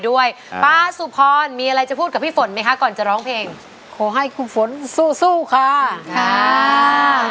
ด้วยร้านซูอสพรมีอะไรจะพูดกับพี่ฝนมั้ยคะก่อนจะร้องเพลงโอให้คุณแสดง